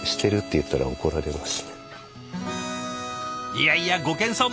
いやいやご謙遜！